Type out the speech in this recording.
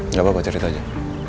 gak apa apa ceritanya